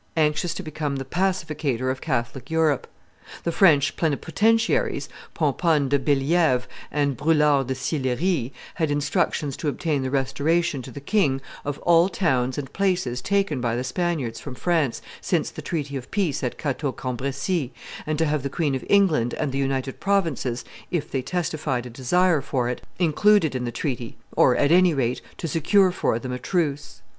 anxious to become the pacificator of Catholic Europe. The French plenipotentiaries, Pomponne de Bellievre and Brulart de Silleri, had instructions to obtain the restoration to the king of all towns and places taken by the Spaniards from France since the treaty of peace of Cateau Cambresis, and to have the Queen of England and the United Provinces, if they testified a desire for it, included in the treaty, or, at any rate, to secure for them a truce.